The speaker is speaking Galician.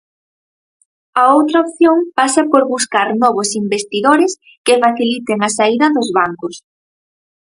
A outra opción pasa por buscar novos investidores que faciliten a saída dos bancos.